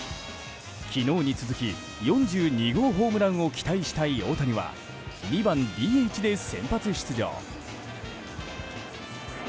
昨日に続き４２号ホームランを期待したい大谷は２番ＤＨで先発出場。